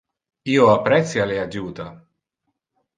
Io apprecia le adjuta.